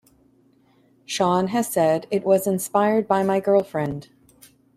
Sean has said it was "inspired by my girlfriend".